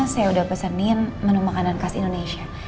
saya udah pesenin menu makanan khas indonesia